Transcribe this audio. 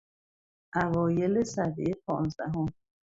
اوایل سدهی پانزدهم